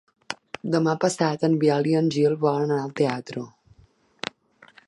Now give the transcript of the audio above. Demà passat en Biel i en Gil volen anar al teatre.